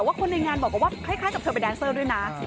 คนในงานบอกว่าคล้ายกับเธอไปแดนเซอร์ด้วยนะ